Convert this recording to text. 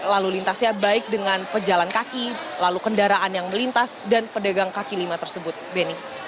lalu lintasnya baik dengan pejalan kaki lalu kendaraan yang melintas dan pedagang kaki lima tersebut beni